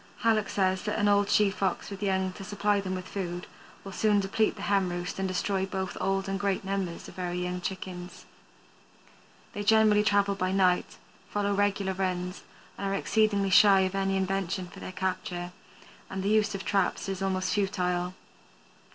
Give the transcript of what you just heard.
Hallock says that an old she Fox with young, to supply them with food, will soon deplete the hen roost and destroy both old and great numbers of very young chickens. They generally travel by night, follow regular runs, and are exceedingly shy of any invention for their capture, and the use of traps is almost futile.